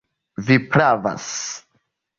Vi pravas.